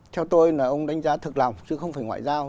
theo tôi là ông đánh giá thực lòng chứ không phải ngoại giao